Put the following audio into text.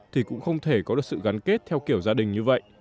thì cũng không thể có được sự gắn kết theo kiểu gia đình như vậy